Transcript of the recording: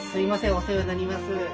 お世話になります。